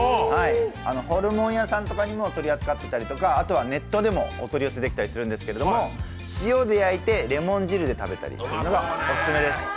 ホルモン屋さんとかでも取り扱ってたりとかあとはネットでもお取り寄せできたりするんですけれども、塩で焼いてレモン汁で食べたりというのがオススメです。